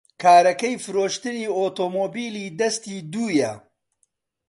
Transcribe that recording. کارەکەی فرۆشتنی ئۆتۆمۆبیلی دەستی دوویە.